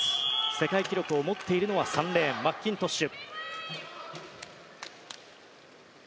世界記録を持っているのは３レーン、マッキントッシュ。